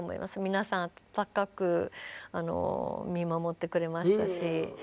皆さん暖かく見守ってくれましたし。